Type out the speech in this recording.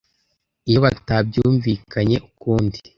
iyo batabyumvikanye ukundi